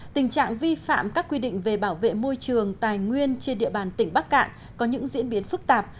tình trạng vi phạm các quy định về bảo vệ môi trường tài nguyên trên địa bàn tỉnh bắc cạn có những diễn biến phức tạp